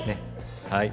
はい。